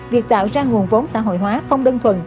việc tạo ra nguồn vốn xã hội hóa không đơn thuần